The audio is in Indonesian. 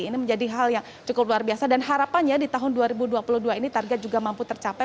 ini menjadi hal yang cukup luar biasa dan harapannya di tahun dua ribu dua puluh dua ini target juga mampu tercapai